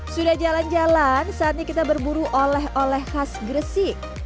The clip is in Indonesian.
sudah jalan jalan saatnya kita berburu oleh oleh khas gresik